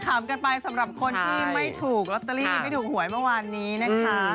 ขำกันไปสำหรับคนที่ไม่ถูกลอตเตอรี่ไม่ถูกหวยเมื่อวานนี้นะคะ